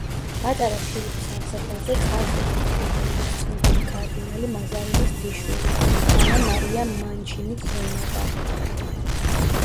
პატარა ფილიპის აღზრდაზე, წარსულში დიდებულებით ცნობილი კარდინალი მაზარინის დის შვილი, ანა მარია მანჩინი ზრუნავდა.